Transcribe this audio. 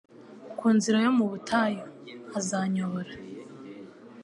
Ku nzira yo mu butayu Azanyobora